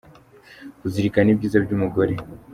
kuzirikana ibyiza by’umugore.